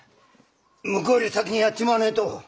向こうより先にやっちまわねえと。